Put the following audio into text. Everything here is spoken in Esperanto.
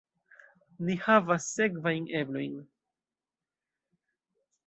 Ni havas sekvajn eblojn.